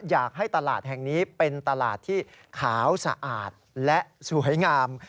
อยากให้ตลาดแห่งนี้เป็นตลาดที่ขาวสะอาดและสวยงาม